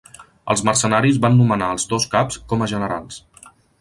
Els mercenaris van nomenar als dos caps com a generals.